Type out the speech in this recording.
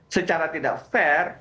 secara tidak fair